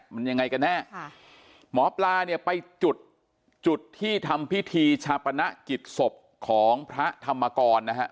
มันยังไงกันแน่ค่ะหมอปลาเนี่ยไปจุดจุดที่ทำพิธีชาปนกิจศพของพระธรรมกรนะฮะ